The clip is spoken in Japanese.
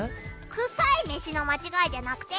臭い飯の間違いじゃなくて？